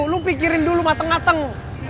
lu pikirin dulu mateng mateng